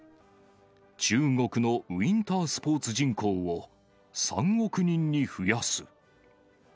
中国のウインタースポーツ人口を３億人に増やす。